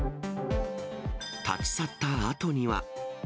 立ち去ったあとには。